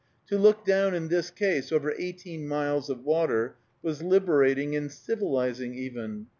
To look down, in this case, over eighteen miles of water, was liberating and civilizing even.